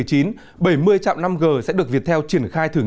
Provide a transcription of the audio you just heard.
bảy mươi trạm năm g sẽ được việt nam đồng